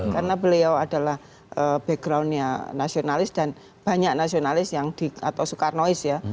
karena beliau adalah backgroundnya nasionalis dan banyak nasionalis yang di atau sukarnois ya